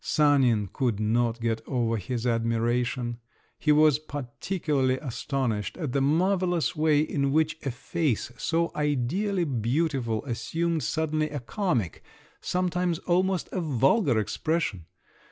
Sanin could not get over his admiration; he was particularly astonished at the marvellous way in which a face so ideally beautiful assumed suddenly a comic, sometimes almost a vulgar expression.